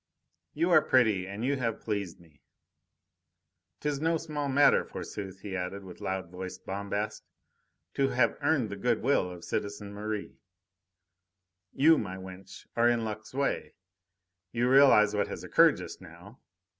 "You are pretty and you have pleased me. 'Tis no small matter, forsooth!" he added, with loud voiced bombast, "to have earned the good will of citizen Merri. You, my wench, are in luck's way. You realise what has occurred just now.